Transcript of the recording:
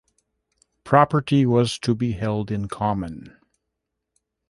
Property was to be held in common.